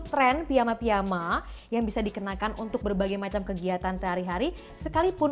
tren piyama piyama yang bisa dikenakan untuk berbagai macam kegiatan sehari hari sekalipun